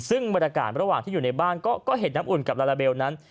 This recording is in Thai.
ซึ่งบรรยากาศระหว่างที่อยู่ในบ้านก็เห็นน้ำอุ่นกับลาลาเบลนั้น